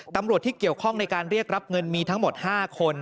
ตำรวจที่เกี่ยวข้องในการเรียกรับเงินมีทั้งหมด๕คน